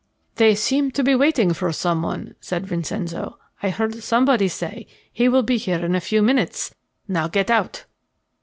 "They seem to be waiting for someone," said Vincenzo. "I heard somebody say: 'He will be here in a few minutes. Now get out.'"